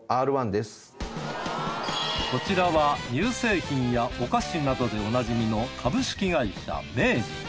こちらは乳製品やお菓子などでおなじみの株式会社明治。